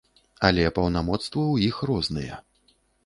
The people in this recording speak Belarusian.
Але паўнамоцтвы ў іх розныя.